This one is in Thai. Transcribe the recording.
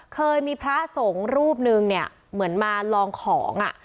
เคยมีพระสงฆ์รูปนึงเนี่ยเหมือนมาลองของอ่ะ